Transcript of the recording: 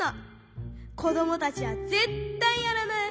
こどもたちはぜったいやらない。